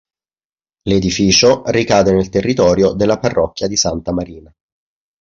L'edificio ricade nel territorio della parrocchia di Santa Marina.